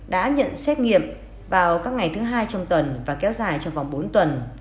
đã nhận xét nghiệm vào các ngày thứ hai trong tuần và kéo dài trong vòng bốn tuần